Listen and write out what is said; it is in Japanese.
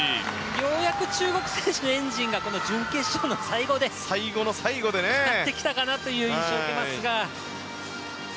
ようやく中国選手のエンジンがこの準決勝の最後でかかってきたかなという印象を受けますが。